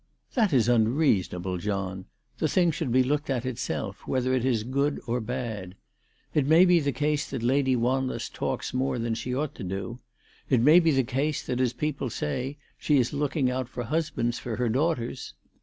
" That is unreasonable, John. The thing should be looked at itself, whether it is good or bad. It may be the case that Lady Wanless talks more than she ought to do. It may be the case that, as people say, she is looking out for husbands for her daughters.